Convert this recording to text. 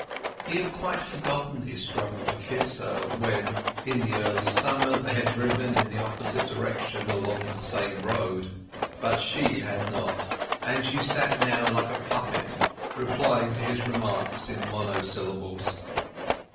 He had quite forgotten his struggle to kiss her when, in the early summer, they had driven in the opposite direction along the same road. But she had not, and she sat now, like a puppet, replying to his remarks in monosyllables.